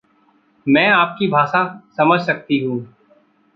मैं आपकी भाषा समझ सकती हूँ।